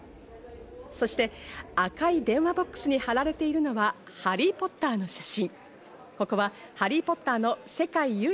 そして赤い電話ボックスに貼られているのはハリー・ポッターの写真。